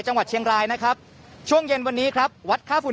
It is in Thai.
จังหวัดเชียงรายนะครับช่วงเย็นวันนี้ครับวัดค่าฝุ่น